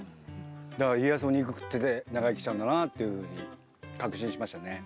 だから家康も肉食ってて長生きしたんだなっていうふうに確信しましたね。